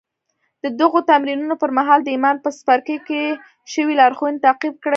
د دغو تمرينونو پر مهال د ايمان په څپرکي کې شوې لارښوونې تعقيب کړئ.